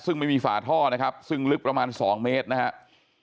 ซึ่งไม่มีฝาท่อนะครับซึ่งลึกประมาณ๒เมตรนะครับ